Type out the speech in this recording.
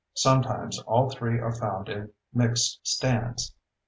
Sometimes all three are found in mixed stands.